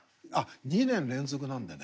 ２年連続なんでね